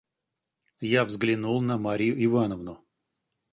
Я взглянул на Марью Ивановну.